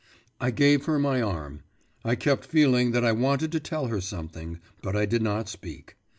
I gave her my arm. I kept feeling that I wanted to tell her something; but I did not speak.